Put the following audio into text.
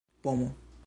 pomo